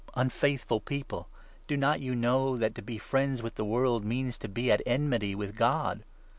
Unfaithful people ! Do not 4 you know that to be friends with the world means to be at enmity with God